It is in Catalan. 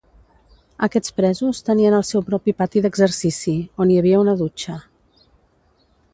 Aquests presos tenien el seu propi pati d'exercici, on hi havia una dutxa.